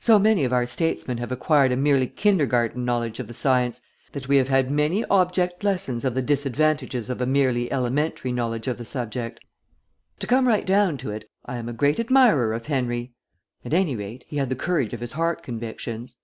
So many of our statesmen have acquired a merely kindergarten knowledge of the science, that we have had many object lessons of the disadvantages of a merely elementary knowledge of the subject. To come right down to it, I am a great admirer of Henry. At any rate, he had the courage of his heart convictions."